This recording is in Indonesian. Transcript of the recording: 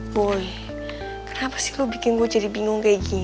gue kenapa sih lo bikin gue jadi bingung kayak gini